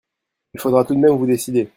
Il faudra tout de même vous décider